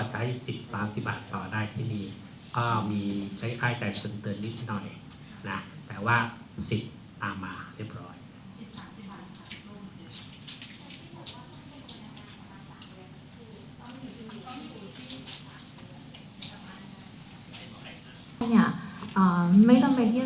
จะใช้๓๐บาทต่อได้ที่นี้ก็มีใช้ค่าไขสันเติมนิดหน่อยแต่ว่า๓๐บาทตามมาเรียบร้อย